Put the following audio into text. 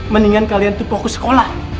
mendingan kalian itu fokus sekolah